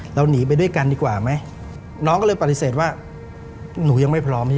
เราหนีไปด้วยกันดีกว่าไหม